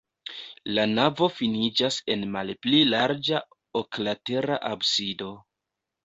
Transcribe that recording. La navo finiĝas en malpli larĝa oklatera absido.